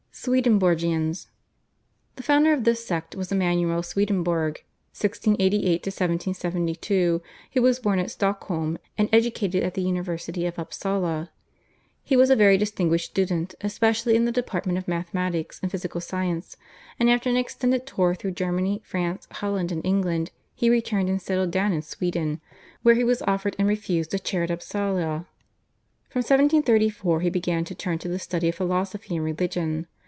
/Swedenborgians/. The founder of this sect was Emanuel Swedenborg (1688 1772), who was born at Stockholm, and educated at the University of Upsala. He was a very distinguished student especially in the department of mathematics and physical science, and after an extended tour through Germany, France, Holland, and England he returned and settled down in Sweden, where he was offered and refused a chair at Upsala. From 1734 he began to turn to the study of philosophy and religion.